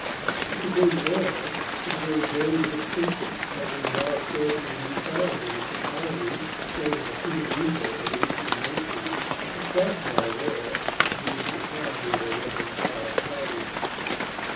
It became rare to the very verge of extinction, and is now scarcely to be found in its entirety save in a pretty reprint of 1819, itself now rare, due to the piety of a Rev. R. Harvey.